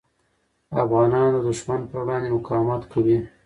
افغانان د دښمن پر وړاندې مقاومت کوي.